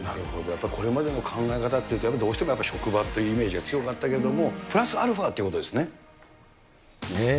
やっぱりこれまでの考え方っていうと、やっぱりどうしても職場というイメージが強かったけども、プラスアルファっていうことですね。